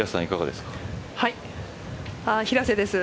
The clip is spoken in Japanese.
平瀬です。